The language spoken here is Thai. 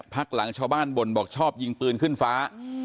พักหลังชาวบ้านบ่นบอกชอบยิงปืนขึ้นฟ้า